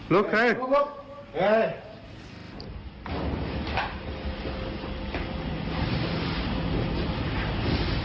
ลบลบเข้าลบ